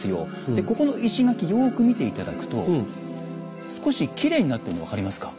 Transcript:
でここの石垣よく見て頂くと少しきれいになってるの分かりますか？